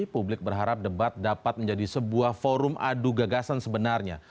publik berharap debat dapat menjadi sebuah forum adu gagasan sebenarnya